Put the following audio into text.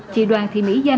chỉ đoàn thị mỹ